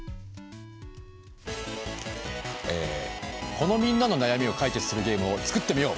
このみんなの悩みを解決するゲームを創ってみよう！